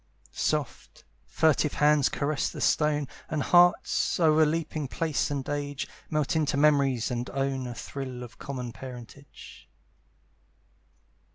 Soft, furtive hands caress the stone, And hearts, o'erleaping place and age, Melt into memories, and own A thrill of common parentage.